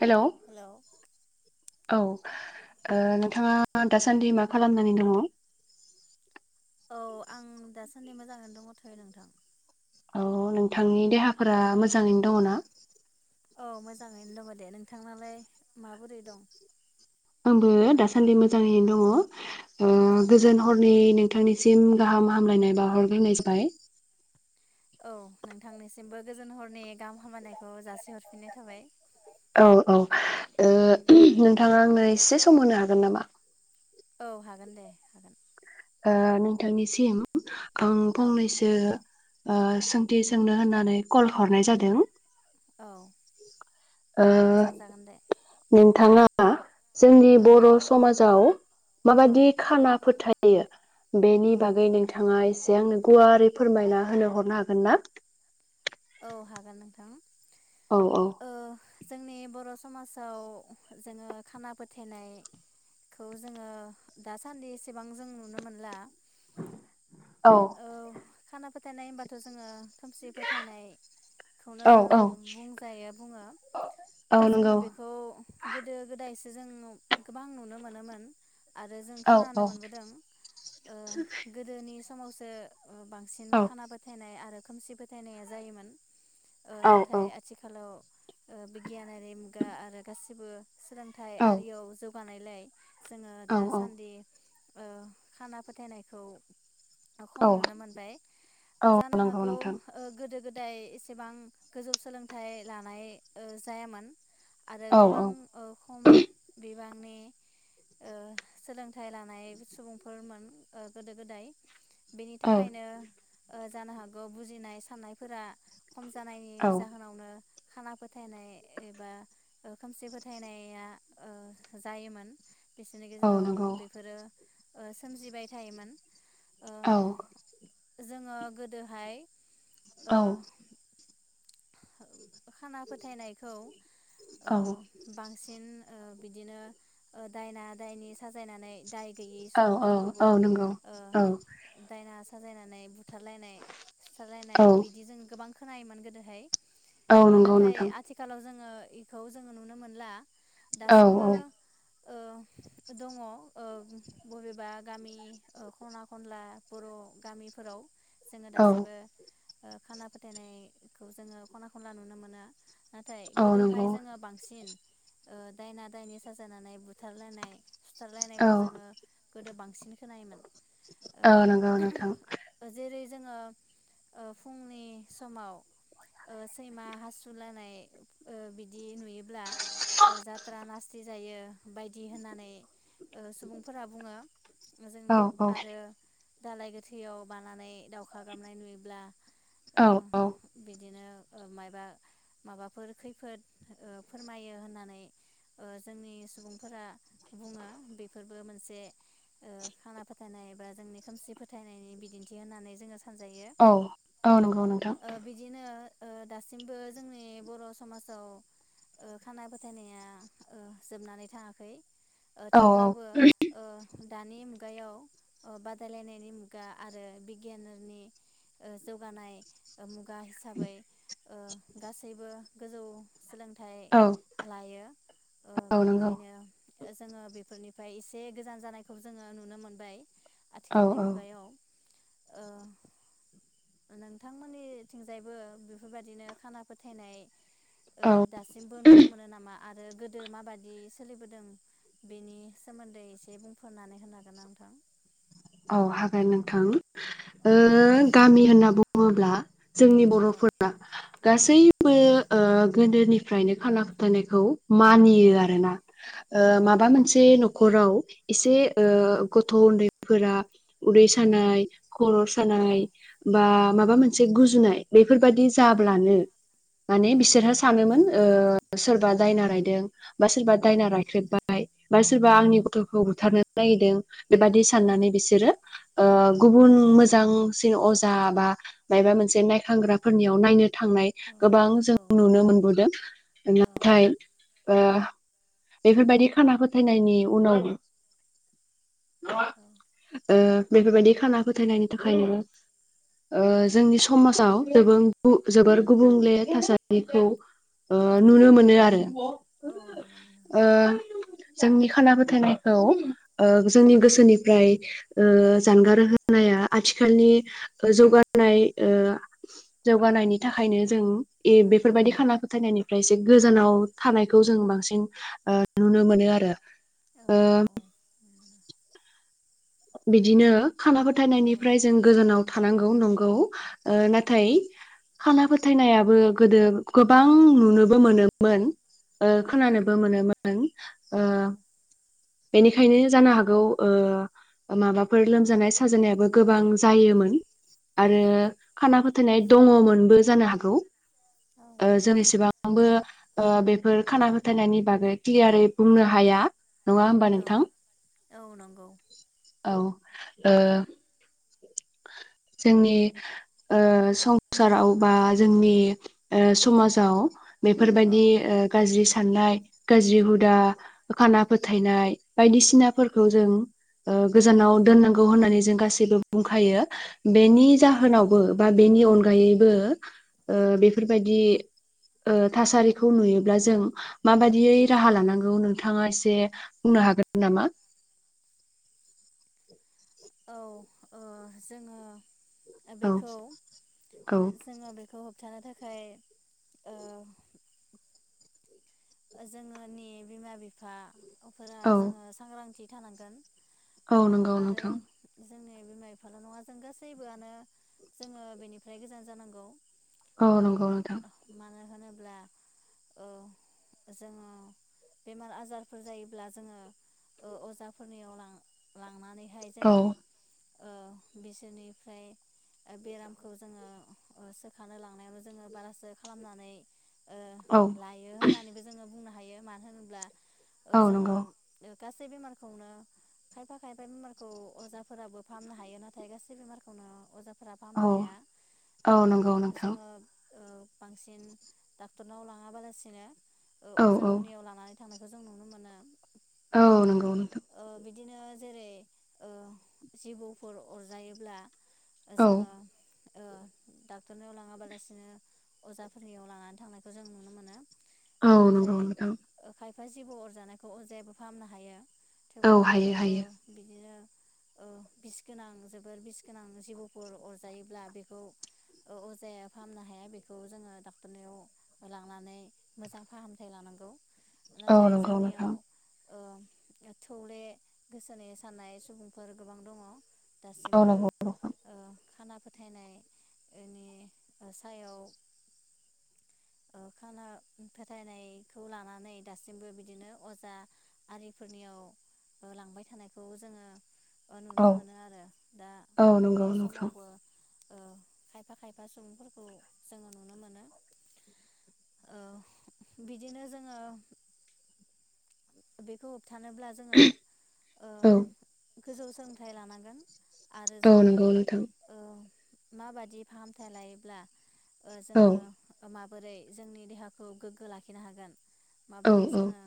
हेल' औ हेलौ ओ नोंथाङा दासान्दि मा खालामनानै दङ? औ आं दासान्दि मोजाङैनो दङथ'यो नोंथां। औ नोंथांनि देहाफोरा मोजाङैनो दङ ना? औ मोजाङैनो दङ दे नोंथांनालाय माबोरै दं? आंबो दासान्दि मोजाङैनो दङ। औ उम गोजोन हरनि नोंथांनिसिम गाहाम हामलायनाय बााहरग्रोनाय जाबाय। औ नोंथांनिसिमबो गोजोन हरनि गाहाम हामलायनायखौ जासिहरफिननाय थाबाय। औ औ औ नोंथाङा आंनो एसे सम हागोन नामा औ हागोन दे हागोन नोंथांनिसिम आं औ फंनैसो सोंथि सोंनो होननानै कल हरनाय जादों। औ‌ ओ सोंजागोन‌ दे। नोंथाङा जोंनि औ बर समाजाव औ माबाददि खाना फोथाय बेनि औ बागै नोंथाङा एसे आंनो गुवारै फोरमायना होनो हरनो हागोन ना। औ हागोन नोंथां। औ औ। ओ जोंनि बर समाजाव जोङो खाना फोथायनायखौ जोङो दासान्दि एसेबां जों नुनो मोनला औ खाना फोथायनाय होनबाथ जोङो खोमसि फोथायनायखौनो औ बुंजायो बुङो जोङो नंगौ बेखौ गोदो गोदाय जों गोबां नुनो मोनोमोन आरो जों औ खोनानो औ मोनबोदों ओ गोदोनि सोमावसो बांसिन औ खाना फोथायनाय आरो खोमसि फोथायनाया जायोमोन नाथाय आथिखालाव बिगियानारि मुगा आरो गासिबो सोलोंथाइ औ आरियाव जौगानाय लाय जोङो दासान्दि ओ खाना फोथायनायखौ खम औ नुनो मोनबाय ओ औ जानो नंगौ हागौ नोंथां ओ गोदो गोदाय एसेबां गोजौ सोलोंथाइ लानाय जायामोन। आरो औ औ गोबां ओ खम बे बिबांनि ओ सोलोंथाइ लानाय सुबुंफोरमोन ओ गोदो गोदाय बेनि औ थाखायनो ओ जानो हागौ बुजिनाय साननायफोरा खम जानायनि औ जाहोनावनो खाना फोथायनाय एबा खोमसि फोथायनाया जायोमोन बिसोरनि औ गेजेराव नंगौ बेफोरो ओ सोमजिबाय थायोमोन ओ औ जोङो गोदोहाय औ ओ खाना फोथायनायखौ ओ औ बांसिन ओ बिदिनो दायना दायनि साजायनानै दाय गैयै औ सुबुंफोरखौबो औ नंगौ ओ औ दायना साजायनानै बुथारलायनाय सुथारलायनाय औ बिदिजों गोबां खोनायोमोन गोदो हाय औ ओ नंगौ नाथाय नोंथां आथिखालाव जोङो इखौ जोङो नुनो मोनला औ दासिमबो औ ओ दङ बबेबा गामि ओ ख'ना खनला बर' गामिफोराव जोङो औ दासिमबो ओ खाना फोथायनाय खौ जोङो खना खनला नुनो मोनो नाथाय औ गोदोहाय नंगौ जोङो बांसिन ओ दायना दायनि साजायनानै बुथारलायनाय औ सुथारलायनायखौ जोङो गोदो बांसिन खोनायोमोन औ ओ नांगौ नोथां। जेरै जोङो ओ फुंनि समाव सैमा हासुलायनाय ओ बिदि नुयोब्ला जिथ्रा नासथि जायो बायदि होननानै ओ सुबुंफोरा बुङो जोंनो औ औ आरो दालाय गोथैयाव बानानै दावखा गाबनाय नुयोब्ला ओ औ-औ बिदिनो माबा माबाफोर खैफोद ओ फोरमायो होननानै जोंनि सुबुंफोरा बुङो बेफोरबो मोनसे खाना फोथायनाय बा जोंनि खोमसि फोथायनायनि बिदिन्थि होननानै जोङो सानजायो औ औ नंगौ नोंथां। ओ ओ बिदिनो दासिमबो जोंनि बर' समाजाव खाना फोथायनाया ओ जोबनानै थाङाखै। ओ औ थेवब्लाबो ओ दानि मुगायाव बादायलायनायनि मुगा आरो बिगियाननि जौगानाय ओ मुगा खुगा हिसाबै ओ गासैबो गोजौ सोलोंथाइ औ लायो ओ औ नंगौ बेनिखायनो जोङो बेफोरनिफ्राय एसे गोजान जानायखौ जोङो नुनो मोनबाय। औ आथिखालनि औ मुगायाव ओ नोंथांमोननि थिंजायबो बेफोरबायदिनो खाना फोथायनाय औ दासिमबो नुनो मोनो नामा? आरो गोदो मा बादि सोलिबोदों बेनि सोमोन्दै एसे बुंफोरनानै होनो हागोन नोंथां? औ हागोन नोंथां ओ औ गामि होनना बुङोब्ला? जोंनि औ बर'फोरा औ गासैबो ओ गोदोनिफ्रायनो खाना फोथायनायखौ मानियो औ आरोना ओ माबा मोनसे औ न'खराव इसे ओ औ गथ' उन्दै फोरा उदै औ सानाय खर' औ सानाय बा माबा मोनसे नाय बेफोरबायादि औ जाब्लानो माने बिसोरहा सानोमोन ओ सोरबा दायना रायदों बा सोरबा दायना रायख्रेबबाय बा सोरबा आंनि गथ'खौ बुथारनो जाहैदों बेबादि साननानै बिसोरो ओ गुबुन मोजांसिन अजा बा माबा मोनसे नायखांग्राफोरनियाव नायनो थांनाय गोबां जों नुनो मोनबोदों नाथाय ओ बेफोरबायदि खाना फोथायनायनि उनाव ओ बेफोरबायदि खाना फोथायनायनि थाखायनो जोंनि समाजाव जोबोर गुबुंले थासारिखौ ओ औ नुनो मोनो आरो औ नुनो मोनो ओ औ जोंनि खाना फोथायनायखौ ओ जोंनि औ गोसोनि ओमफ्राय ओ जानगार होनाया आथिखालनि जौगानाय ओ जौगानायनि थाखायनो जों एह औ बेफोरबायाददि खाना फोथायनायनि फ्राय जों गोजानाव थानायखौ जों बांसिन ओ नुनो मोनो आरो। औ ओ औ नुनो बिदिनो खाना मोनो औ फोथायनायनिफ्राय जों गोजानाव थानांगौ नंगौ ओ नाथाय खाना फोथायनायाबो गोदो गोबां नुनोबो मोनोमोन ओ खोनानोबो मोनोमोन ओ बेनिखायनो जानो हागौ ओ माबाफोर लोमजानाय साजानायाबो गोबां जायोमोन। आरो खाना फो थायनाय दङमोनबो जानो हागौ। ओ जों एसेबां आंबो ओ बेफोर खाना फोथायनायनि बागै क्लियारै बुंनो हाया। नङा होमबा औ नोंथां? औ नंगौ [inaudible] औ ओ जोंनि ओ संसाराव बा जोंनि ओ समाजाव औ बेफोरबायदि ओ गाज्रि सा ननाय गाज्रि हुदा खाना फोथायनाय बायदिसिनाफोरखौ जों ओ गोजानाव दोननांगौ होननानै जों गा सिबो बुंखायो। औ बेनि जाहोनावबो बा बेनि अनगायैबो बेफोरबायदि ओ थासारिखौ नुयोब्ला जों माबायदियै राहा लानांगौ नों थाङा एसे बुंनो हागोन नामा? औ ओ जोङो औ बेखौ औ जोङो बेखौ थानो थाखाय जोङोनि बिमा बिफा फोरा औ जोङो सांग्रांथि थानांगोन औ ओ नंगौ आरो नोंथां जोंनि बिमा बिफाल' नङा जों गासैबोआनो जोङो बेनिफ्राय गोजान जानांगौ। औ नंगौ नोंथां नो होनोब्ला ओ जोङो बेमार आजारफोर जायोब्ला जोङो ओ अजाफोरनियाव लां-लांनानै हाय औ जोङो ओ बिसोरनिफ्राय ओ बेरामखौ जोंङो ओसोखानो लांनायावनो जोंङो बारासो खालामनानै औ ओ लायो होननानैबो जोङो बुंनो हायो मानो होनोब्ला ओ औ जोंङो नंगौ ओ गासै बेमारखौनो खायफा खायफा बेमारखौ अजाफोराबो फाहामनो हायो नाथाय गासै बेमारखौनो अजा फोरा फाहामनो औ हाया औ ओ नंगौ नोंथां जोंङो ओ बांसिन डक्टरनाव लांङाबालासिनो ओ औ औ अजाफोरनियाव लानानै थांनायखौ जों नुनो मोनो औ नंगौ नोंथां। ओ बिदिनो जेरै ओ जिबौ फोर अरजायोब्ला ओ औ जोंङो ओ डाक्टर नियाव लांङा बालासिनो अजा फोरनियाव लानानै थांनायखौ जों नुनो मोनो। औ नंगौ नोथां। फा जिबौ अरजानायखौ अजायाबो फाहामनो हायो। औ थेवब्लाबो हायो ओ हायो बिदिनो ओ बिस गोनां जोबोर बिस गोनां जिबौ फोर अरजायोब्ला बेखौ ओ अजाया फाहामनो हाया बेखौ जोंङो डक्टर नियाव लांनानै मोजां फाहामथाय लानांगौ। औ नाथाय नंगौ जोंनियाव नोंथां ओ थौले गोसोनि साननाय सुबुंफोर गोबां दंङ। औ दासिमबो नंगौ ओ खाना फोथायनाय ओनि ओ सायाव ओ खाना फोथाय नायखौ लानानै दासिमबो बिदिनो अजा आरि फोरनियाव ओ लांबाय थानायखौ जोंङो ओ नुनो औ मोनो आरो दा औ नंगौ बे नोंथां समावबो ओ खायफा खायफा सुबुं फोरखौ जोंङो नुनो मोनो ओ बिदिनो जोंङो बेखौ थानोब्ला जोंङो ओ औ गोजौ सोलोंथाइ लानांगोन। आरो औ जोंङो नंगौ नोंथां ओ माबादि फाहामथाय लायोब्ला ओ औ जोंङो माब बोरै जोंनि देहाखौ गोग गो लाखिनो हागोन। औ माबोरै औ जोंङो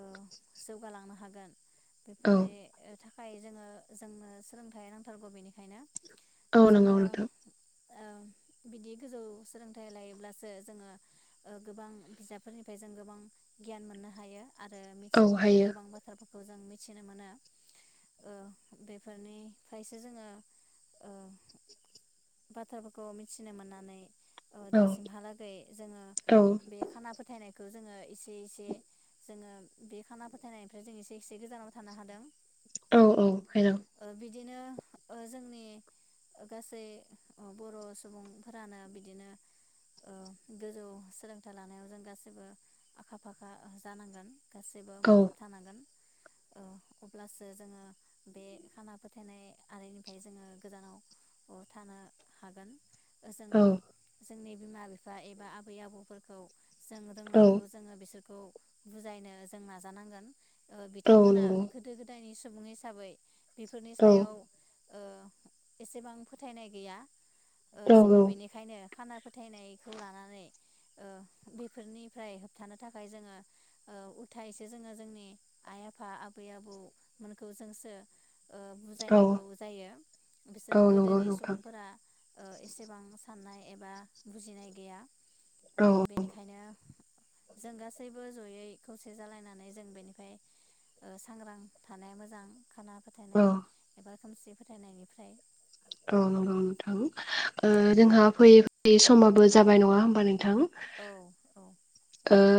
औ जौगालांनो हागोन? बेफोर औ नि ओ थाख थाखाय जोङो जोंनो सोलोंथाइ नांथारगौ बेनिखायनो औ नंगौ जोङो नोंथां ओ बिदि गोजौ सोलोंथाइ लायोब्लासो जोङो ओ गोबां बिजाब फोरनिफ्राय जों गोबां गियान मोननो हायो। आरो औ मिथियै हायो गोबां बोथ्रा फोर खौ जों मिथिनो मोनो ओ बेफोर निफ्रायसो जोङो ओ बाथ्रा फोरखौ मिथिनो मोननानै औ दासिमहा लागै जोङो औ बे फोथायनायखौ जोङो एसे एसे जोङो बे खाना फोथाय नायनिफ्राय जों एसे एसे गोजानाव थानो हादों। औ औ हेल' ओ बिदिनो जोंनि गासै बर' सुबुंफोरानो बिदिनो गोजौ सोलोंथाइ लानायाव जों गाससिबो आखा फाखा जानांगोन गासैबो औ मुखुब थानांगोन अब्लासो जोङो बे खाना फोथायनाय आरिनिफ्राय जोङो गोजानाव थानो हागोन जोङो जोंनि बिमा बिफा एबा आबै आबौ खौ जों औ रोंनायखौ जोङो बिसोरखौ खौ बुजायनो जों नाजानांगोन औ बिथांमोना नंगौ गोदो गोदायनि सुबुं हिसाबै बेफोरनि औ सायाव एसेबां फोथायनाय गैया दैया जोङो औ बेनिखायनो खाना फोथायनायखौ लानानै बेफोरनिफ्राय होबथानो थाखाय जोङो उथायसो जोङो जोंनि आइ आफा आबै आबौमोनखौ जोंसो औ बुजायनांगौ जायो औ बिसोर नंगौ गोदोनि नोंथां सुबुंफोरा एसेबां साननाय एबा बुजिनाय गैया औ बेनिखायनो जों गासैबो जयै खौसे जालायनानै जों बेनिफ्राय सांग्रां थानाया मोजां खाना औ फोथायनाय एबा खोमसि फोथायनायनिफ्राय औ नंगौ नोंथां जोंहा फैयै फैयै समाबो जाबाय नङा होमबानो थां औ औ ओ जाबाय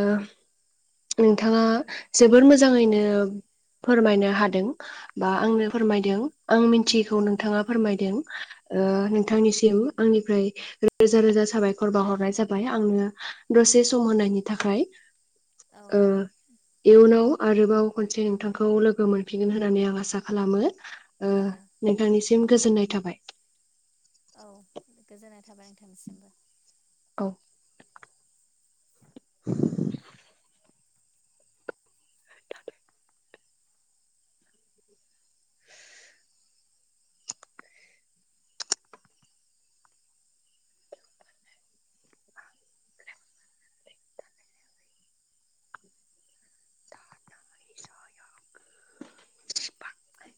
नोंथाङा। जोबोर औ मोजाङैनो। फोरमायनो हादों। बा औ आंनो फोरमायदों आं औ मिथियैखौ नोंथाङा फोरमायदों ओ औ नोंथांनिसिम। आंनिफ्राय रोजा रोजा साबायखर बाउहरनाय जाबाय आंनो। दसे सम होनायनि थाखाय। औ ओ इउन नाव आरोबाव खनसे नोंथांखौ लोगो मोनफिनगोन होननानै आं आसा खालामो। ओ औ नोंथांनि गोजोननाय थाबाय औ गोजोननाय थाबाय नोंथांनिसिमबो। औ [inaudible] औ